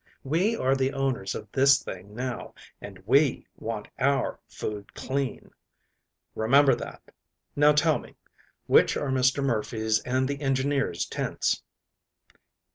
We are the owners of this thing now, and we want our food clean. Remember that. Now, tell me, which are Mr. Murphy's and the engineers' tents?"